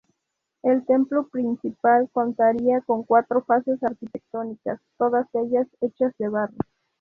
El templo principal contaría con cuatro fases arquitectónicas, todas ellas hechas de barro.